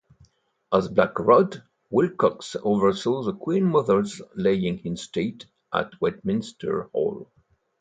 As Black Rod, Willcocks oversaw the Queen Mother's lying-in-state at Westminster Hall.